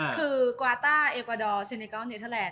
คือการ์ต้าเอ็กวาดอร์เซเนกอลเนื้อเทอร์แลนด์